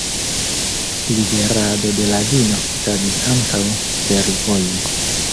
Liverado de la vino okazis ankaŭ fervoje.